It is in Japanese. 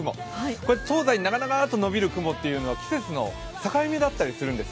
これ、東西に長々と延びる雲は季節の境目だったりするんです。